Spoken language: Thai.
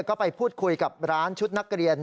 ก็ไปพูดคุยกับร้านชุดนักเรียน